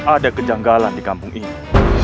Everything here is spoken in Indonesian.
ada kejanggalan di kampung ini